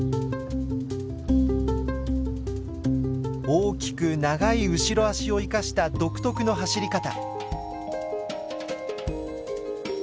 大きく長い後ろ足を生かした独特の走り方。